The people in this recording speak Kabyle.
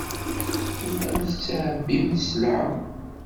Tellam tettɛebbim sselɛa.